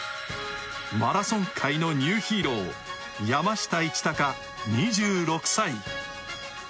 マラソン界のニューヒーロー、山下一貴２６歳。